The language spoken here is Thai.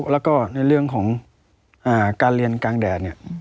แล้วก็ในเรื่องของการเรียนกลางแดดเนี่ย